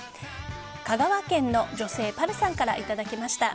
香川県の女性の方からいただきました。